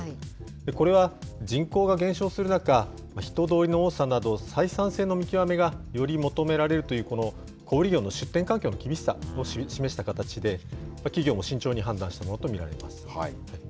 これは人口が減少する中、人通りの多さなど、採算性の見極めが、より求められるという小売り業の出店環境の厳しさを示した形で、企業も慎重に判断したものと見られます。